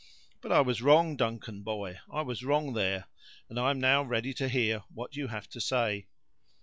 But I was wrong, Duncan, boy, I was wrong there; and I am now ready to hear what you have to say."